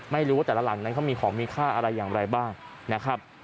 ไม่รู้ว่าแต่ละหลังนั้นเขามีของมีค่าอะไรอย่างไรบ้างนะครับ